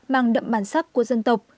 mang đậm bản sắc của dân tộc